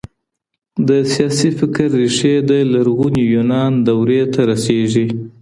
د سياسي فکر ريښې د لرغوني يونان دورې ته رسېږي.